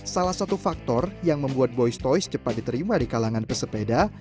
salah satu faktor yang membuat boys ⁇ toys cepat diterima di kalangan pesepeda